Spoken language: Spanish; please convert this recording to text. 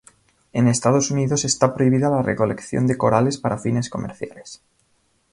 En Estados Unidos está prohibida la recolección de corales para fines comerciales.